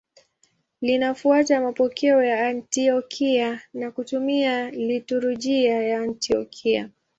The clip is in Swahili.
Linafuata mapokeo ya Antiokia na kutumia liturujia ya Antiokia.